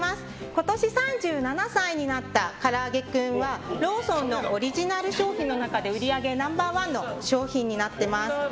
今年３７歳になったからあげクンはローソンのオリジナル商品の中で売り上げナンバー１の商品になっています。